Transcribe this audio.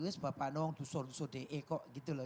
wiss bapak dong dusur dusur dek kok gitu loh